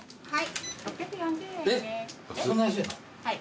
はい。